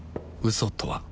嘘とは